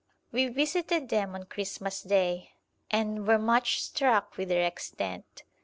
We visited them on Christmas Day, and were much struck with their extent.